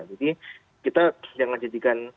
jadi kita jangan jadikan